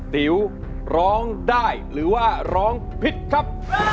ติ๋วร้องได้หรือว่าร้องผิดครับ